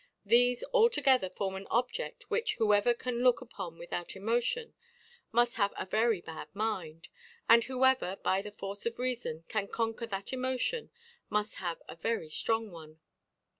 Thefe all together form an Objeft which whoever can look upon without Emotion, niuft have a very bad Mind ; and whoever by the Force of Reafon can conquer that . Emotion muft have a very ftrong one.